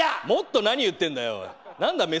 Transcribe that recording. もっと何言ってんだよ。